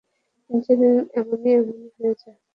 Engineering এমনি এমনি হয়ে যায়।